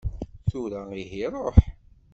Tura ihi ṛuḥ!